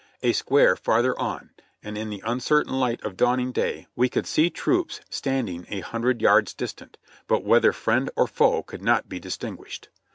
A square farther on, and in the uncertain hght of dawning day we could see troops standing a hundred yards distant, but whether friend or foe could not be distin guished.